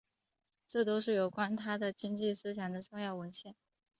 这都是有关他的经济思想的重要文献。